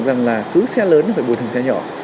rằng là cứ xe lớn thì phải bồi hình xe nhỏ